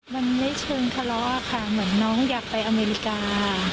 มันไม่เชิงทะเลาะค่ะเหมือนน้องอยากไปอเมริกา